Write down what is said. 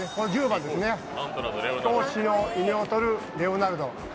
１０番ですね、貴公子の異名をとるレオナルド。